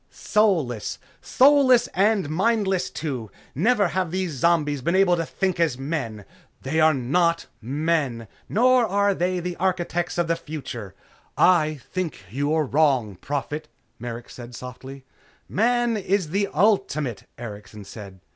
"Soulless! Soulless and mindless, too. Never have these zombies been able to think as men!" "They are not men." "Nor are they the architects of the future!" "I think you are wrong, Prophet," Merrick said softly. "Man is the ultimate," Erikson said.